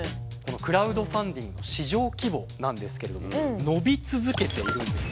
クラウドファンディングの市場規模なんですけれども伸び続けているんです。